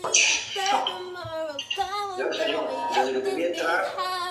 Una placa en el edificio recuerda este hecho.